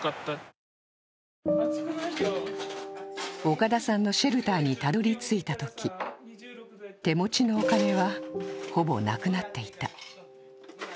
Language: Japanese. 岡田さんのシェルターにたどり着いたとき、手持ちのお金はほぼなくなっていた。